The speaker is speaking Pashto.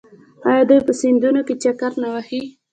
آیا دوی په سیندونو کې چکر نه وهي؟